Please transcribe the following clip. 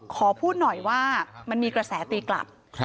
ขอพูดหน่อยว่ามันมีกระแสตีกลับ